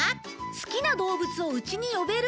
好きな動物を家に呼べる？